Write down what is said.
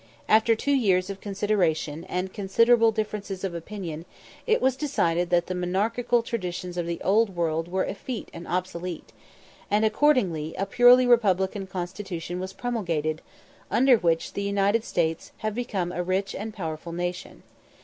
After two years of consideration, and considerable differences of opinion, it was decided that the monarchical traditions of the Old World were effete and obsolete; and accordingly a purely Republican Constitution was promulgated, under which the United States have become a rich and powerful nation.